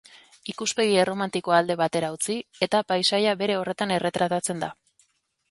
Ikuspegi erromantikoa alde batera utzi eta paisaia bere horretan erretratatzen da.